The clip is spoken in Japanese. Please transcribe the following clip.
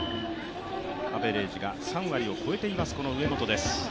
アベレージが３割を超えています上本です。